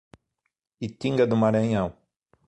Itinga do Maranhão